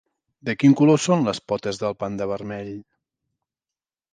De quin color són les potes del panda vermell?